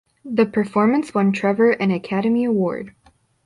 The performance won Trevor an Academy Award.